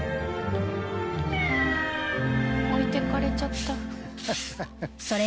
置いてかれちゃった。